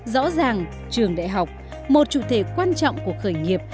rõ ràng trường đại học một chủ thể quan trọng của khởi nghiệp